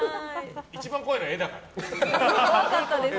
一番怖いのは絵だからね。